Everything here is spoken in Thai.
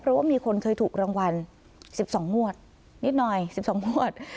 เพราะว่ามีคนเคยถูกรางวัล๑๒งวดนิดหน่อย๑๒งวด